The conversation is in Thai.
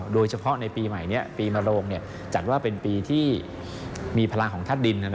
โดยเฉพาะในปีใหม่นี้ปีมโรงจัดว่าเป็นปีที่มีพลังของธาตุดิน